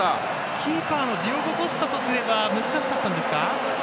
キーパーのディオゴ・コスタとしては難しかったんですか？